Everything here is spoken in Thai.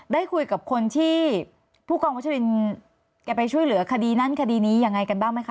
ได้คุยกับคนที่ผู้กองวัชรินแกไปช่วยเหลือคดีนั้นคดีนี้ยังไงกันบ้างไหมคะ